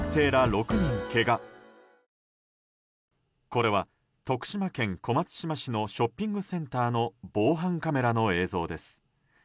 これは徳島県小松島市のショッピングセンターの防犯カメラの映像です。